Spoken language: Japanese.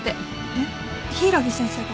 えっ柊木先生が？